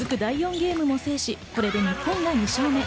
ゲームを制し、これで日本は２勝目。